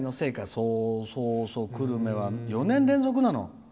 そうそう、久留米は４年連続なの。